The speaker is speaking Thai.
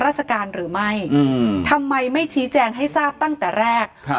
ราชการหรือไม่อืมทำไมไม่ชี้แจงให้ทราบตั้งแต่แรกครับ